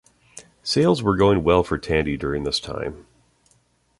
Sales were going well for Tandy during this time.